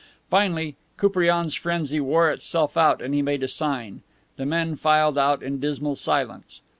Finally, Koupriane's frenzy wore itself out and he made a sign. The men filed out in dismal silence.